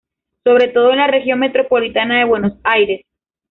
Sobre todo en la Región Metropolitana de Buenos Aires.